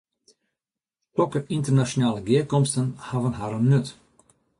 Sokke ynternasjonale gearkomsten hawwe harren nut.